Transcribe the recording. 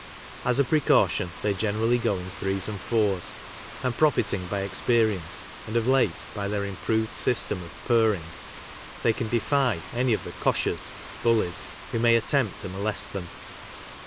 As a precaution they generally go in threes and fours, and profiting by experience, and, of late, by their improved system of " purring," they can defy any of the "coshers" (bullies) who may * attempt to molest them.